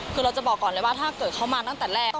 คือเราจะบอกก่อนเลยว่าถ้าเกิดเขามาตั้งแต่แรก